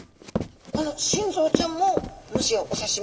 この心臓ちゃんももしやお刺身で？